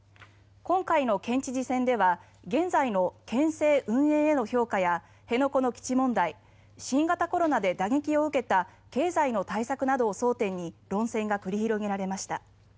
今回の県知事選では現在の県政運営への評価や辺野古の基地問題新型コロナで打撃を受けた経済の対策などを争点に論戦が繰り広げられました。